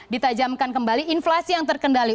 ditajamkan kembali inflasi yang terkendali